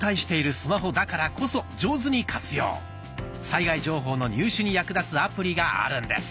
災害情報の入手に役立つアプリがあるんです。